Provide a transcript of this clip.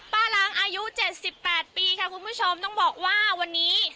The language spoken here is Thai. ปลาลังอายุเจ็ดสิบแปดปีค่ะคุณผู้ชมต้องบอกว่าวันนี้